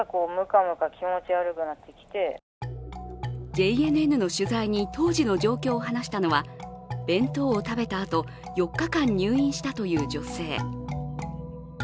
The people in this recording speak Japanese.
ＪＮＮの取材に当時の状況を話したのは弁当を食べたあと、４日間入院したという女性。